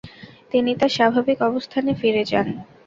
তিনি তার স্বাভাবিক অবস্থানে ফিরে যান।